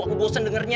aku bosen dengernya